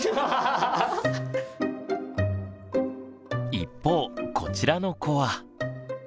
一方こちらの子は。